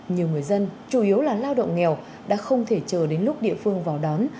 nhiều người dân chủ yếu là lao động nghèo đã không thể chờ đến lúc địa phương vào đón